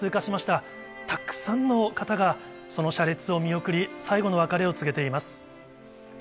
たくさんの方がその車列を見送り、最後の別れを告げています。